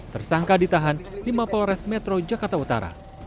tersangka ditahan lima polres metro jakarta utara